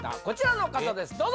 こちらの方です